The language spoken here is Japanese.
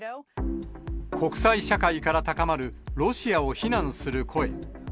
国際社会から高まるロシアを非難する声。